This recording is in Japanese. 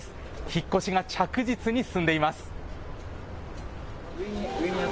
引っ越しが着実に進んでいます。